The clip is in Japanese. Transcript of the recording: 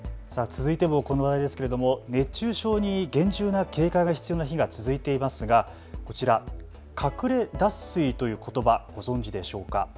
続いてもこの話題ですけれども熱中症に厳重な警戒が必要な日が続いていますがこちら、隠れ脱水ということばご存じでしょうか。